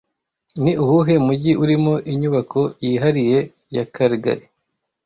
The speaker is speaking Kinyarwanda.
Ni uwuhe mujyi urimo inyubako yihariye ya Calgary